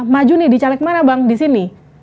maju nih di caleg mana bang di sini